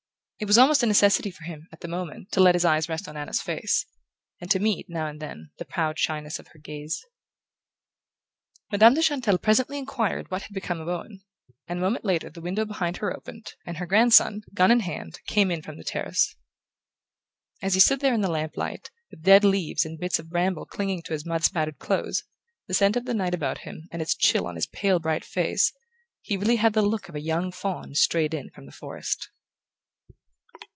It was almost a necessity for him, at the moment, to let his eyes rest on Anna's face, and to meet, now and then, the proud shyness of her gaze. Madame de Chantelle presently enquired what had become of Owen, and a moment later the window behind her opened, and her grandson, gun in hand, came in from the terrace. As he stood there in the lamp light, with dead leaves and bits of bramble clinging to his mud spattered clothes, the scent of the night about him and its chill on his pale bright face, he really had the look of a young faun strayed in from the forest.